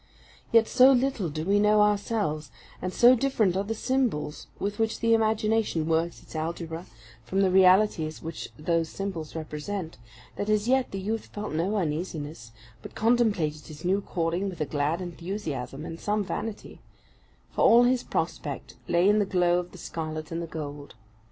Yet so little, do we know ourselves, and so different are the symbols with which the imagination works its algebra, from the realities which those symbols represent, that as yet the youth felt no uneasiness, but contemplated his new calling with a glad enthusiasm and some vanity; for all his prospect lay in the glow of the scarlet and the gold.